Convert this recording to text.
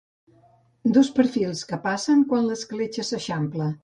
Dos perfils que passen quan l'escletxa s'eixampla.